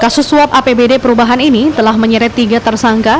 kasus suap apbd perubahan ini telah menyeret tiga tersangka